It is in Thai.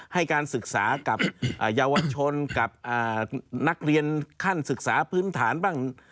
ให้การศึกษากับเยาวชนกับนักเรียนขั้นศึกษาพื้นฐานบ้าง